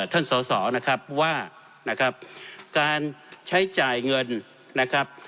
ท่านสอสอนะครับว่านะครับการใช้จ่ายเงินนะครับ